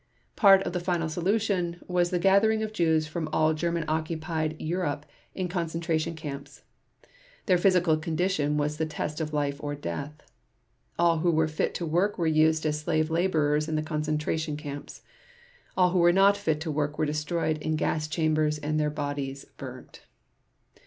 Part of the "final solution" was the gathering of Jews from all German occupied Europe in concentration camps. Their physical condition was the test of life or death. All who were fit to work were used as slave laborers in the concentration camps; all who were not fit to work were destroyed in gas chambers and their bodies burnt.